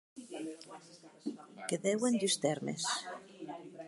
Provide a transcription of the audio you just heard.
Que deuen dus tèrmes.